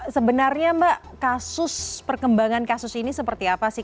sebenarnya mbak kasus perkembangan kasus ini seperti apa sih